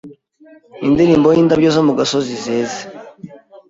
Indirimbo Yindabyo zo mu gasozi zeze